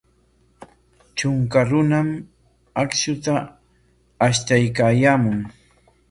Trunka runam akshuta ashtaykaayaamun.